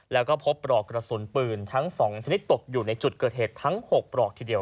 แล้วก็พบปลอกกระสุนปืนทั้ง๒ชนิดตกอยู่ในจุดเกิดเหตุทั้ง๖ปลอกทีเดียว